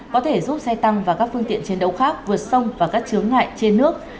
có thể giúp xe tăng và các phương tiện chiến đấu khác vượt sông và các chướng ngại trên nước